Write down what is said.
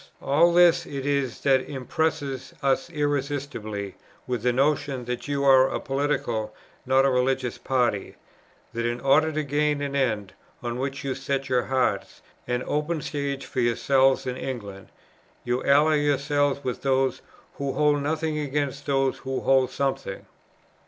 all this it is that impresses us irresistibly with the notion that you are a political, not a religious party; that in order to gain an end on which you set your hearts, an open stage for yourselves in England, you ally yourselves with those who hold nothing against those who hold something.